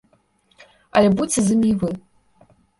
Але будзьце з імі вы.